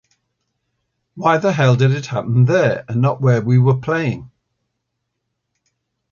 Why the hell did it happen there and not where we were playing?